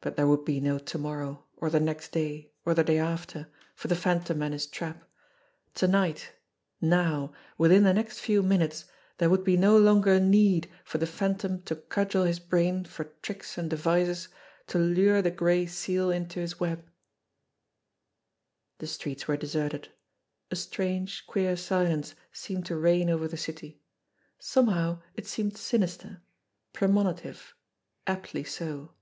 But there would be no to morrow, or the next day, or the day after, for the Phantom and his trap; to night, now, within the next few minutes, there would be no longer need for the Phantom to cudgel his brain for tricks and devices to lure the Gray Seal into his web I u8 THE CAT'S PAW 149 The streets were deserted. A strange, queer silence seemed to reign over the city. Somehow it seemed sinister, premoni tive aptly so.